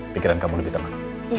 pikiran kamu lebih tenang